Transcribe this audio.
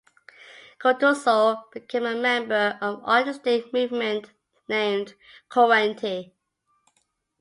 Guttuso became a member of an artistic movement named "Corrente".